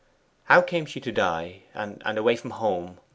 'How came she to die and away from home?